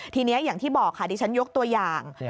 ทีนี้อย่างที่บอกค่ะดิฉันยกตัวอย่าง